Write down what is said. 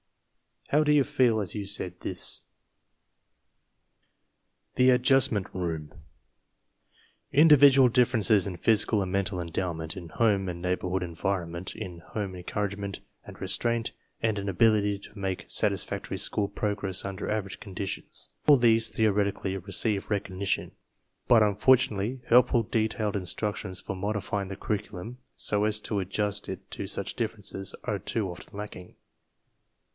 How did you feel as you said this? THE ADJUSTMENT ROOM Individual differences in physical and mental endow ment, in home and neighborhood environment, in home encouragement and restraint, and in ability to make satisfactory school progress under average conditions — all these theoretically receive recognition; but unfor INSTRUCTION IN ADJUSTMENT ROOMS 61 tunately helpful detailed instructions for modifying the curriculum so as to adjust it to such differences are too often lacking.